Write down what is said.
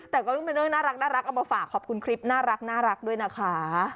แต่ก็ต้องเป็นเรื่องน่ารักเอามาฝากขอบคุณคลิปน่ารักด้วยนะคะ